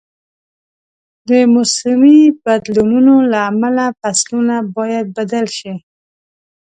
د موسمي بدلونونو له امله فصلونه باید بدل شي.